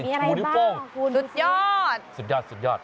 มีอะไรวุ้นสุดยอดสุดยอดสุดยอด